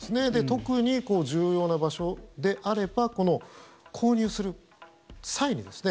特に重要な場所であれば購入する際にですね